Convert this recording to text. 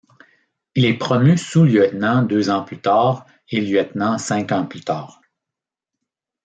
Il est promu sous-lieutenant deux ans plus tard, et lieutenant cinq ans plus tard.